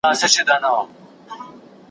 نه پلار ګوري نه خپلوان او نه تربرونه ,